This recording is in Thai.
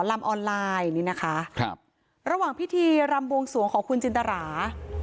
ลำออนไลน์นี่นะคะครับระหว่างพิธีรำบวงสวงของคุณจินตรา